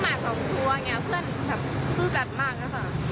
เพื่อนซื้อแบบมากนะค่ะ